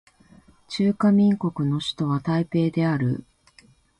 中華民国の首都は台北である